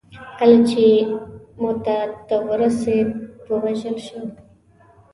کله چې موته ته ورسېد ووژل شو.